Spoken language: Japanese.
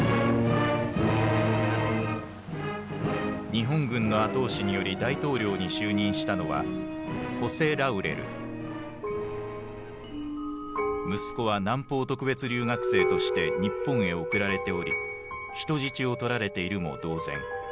日本軍の後押しにより大統領に就任したのは息子は南方特別留学生として日本へ送られており人質を取られているも同然。